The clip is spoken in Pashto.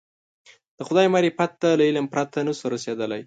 د خدای معرفت ته له علم پرته نه شو رسېدلی.